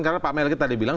karena pak melgi tadi bilang